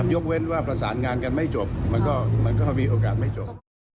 ยกเว้นว่าประสานงานกันไม่จบมันก็มีโอกาสไม่จบ